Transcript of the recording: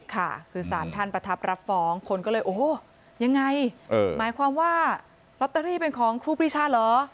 ค่ะคือสารท่านประทับรับฟ้องคนก็เลยโอ้โหยังไงหมายความว่าลอตเตอรี่เป็นของครูปรีชาเหรอ